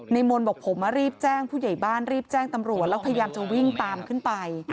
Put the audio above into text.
มนต์บอกผมมารีบแจ้งผู้ใหญ่บ้านรีบแจ้งตำรวจแล้วพยายามจะวิ่งตามขึ้นไป